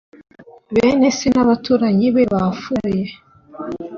bene se n abaturanyi be bafuye